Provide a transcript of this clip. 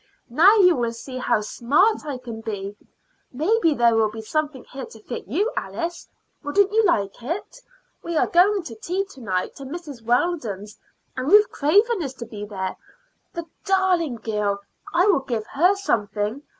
Now you will see how smart I can be. Maybe there will be something here to fit you, Alice. Wouldn't you like it? We are going to tea to night to Mrs. Weldon's, and Ruth Craven is to be there. The darling girl I will give her something.